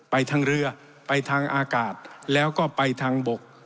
ไปทางเรือไปทางอากาศแล้วก็ไปทางบก